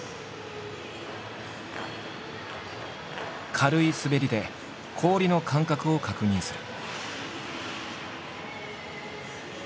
軽い滑りで氷の感覚を確認する。